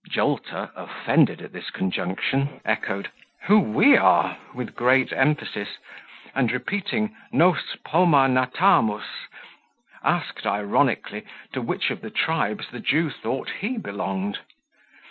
Joker, offended at this conjunction, echoed, "Who we are!" with great emphasis; and repeating nos poma natamus, asked ironically, to which of the tribes the Jew thought he belonged?